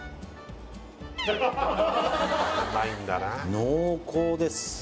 濃厚です